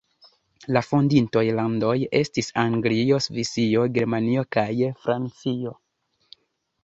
La fondintoj landoj estis Anglio, Svisio, Germanio kaj Francio.